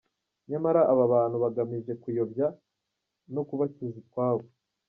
Nyamara aba bantu bagamije kubayobya no kubacuza utwabo